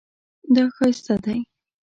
دا ښایسته دی